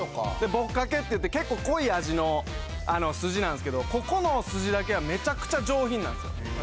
ぼっかけって言って結構濃い味のすじなんですけどここのすじだけはめちゃくちゃ上品なんすよ。